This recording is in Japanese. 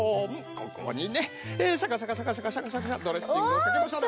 ここにねシャカシャカシャカシャカドレッシングをかけましょう。